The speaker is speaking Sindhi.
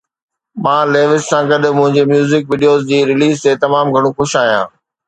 مان ليوس سان گڏ منهنجي ميوزڪ ويڊيو جي رليز تي تمام گهڻو خوش آهيان